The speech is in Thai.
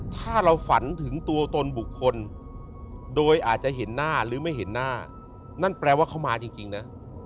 ถ้าเราฝันถึงตัวตนบุคคลโดยอาจจะเห็นหน้าหรือไม่เห็นหน้านั่นแปลว่าเขามาจริงนะ